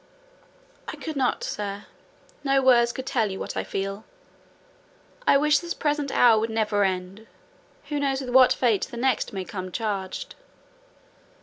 "I could not, sir: no words could tell you what I feel. I wish this present hour would never end: who knows with what fate the next may come charged?"